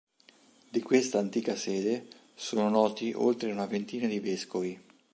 Di questa antica sede sono noti oltre una ventina di vescovi.